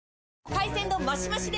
海鮮丼マシマシで！